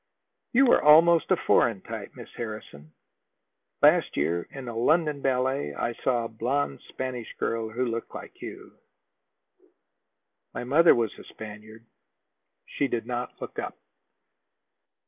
"You are almost a foreign type, Miss Harrison. Last year, in a London ballet, I saw a blonde Spanish girl who looked like you." "My mother was a Spaniard." She did not look up.